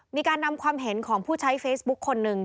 มีการนำความเห็นของผู้ใช้เฟซบุ๊คคนหนึ่ง